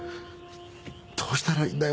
どうしたらいいんだよ